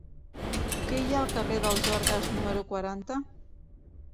Què hi ha al carrer dels Orgues número quaranta?